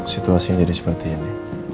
situasi jadi seperti ini